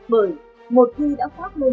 bởi một khi đã phát lên